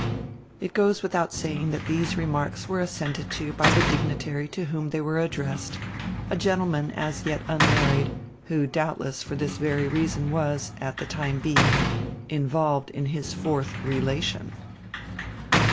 It goes without saying that these remarks were assented to by the dignitary to whom they were addressed, a gentleman as yet unmarried, who doubtless for this very reason was, at the time being, involved in his fourth "relation."